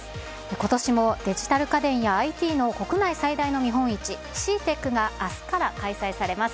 ことしもデジタル家電やＩＴの国内最大の見本市、ＣＥＡＴＥＣがあすから開催されます。